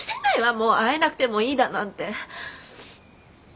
もう会えなくてもいいだなんて。